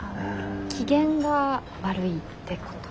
機嫌が悪いってこと。